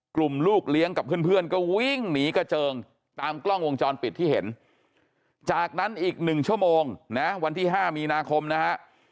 ลูกเลี้ยงกับเพื่อนก็วิ่งหนีกระเจิงตามกล้องวงจรปิดที่เห็นจากนั้นอีก๑ชั่วโมงนะวันที่๕มีนาคมนะฮะ